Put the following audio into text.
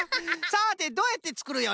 さてどうやってつくるよ？